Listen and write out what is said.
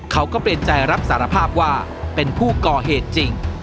ก็เป็นใจรับสารภาพว่าเป็นผู้ก่อเหตุจริง